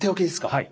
はい。